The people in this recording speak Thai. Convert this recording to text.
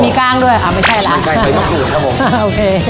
มีกล้างด้วยอ่าไม่ใช่แล้วใช่เป็นมะกรูดครับผมโอเค